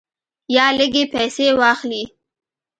یا لږې پیسې واخلې.